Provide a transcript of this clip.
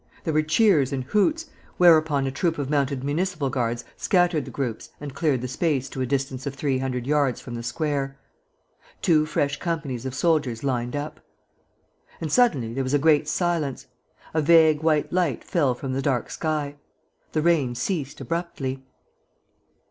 There were cheers and hoots, whereupon a troop of mounted municipal guards scattered the groups and cleared the space to a distance of three hundred yards from the square. Two fresh companies of soldiers lined up. And suddenly there was a great silence. A vague white light fell from the dark sky. The rain ceased abruptly.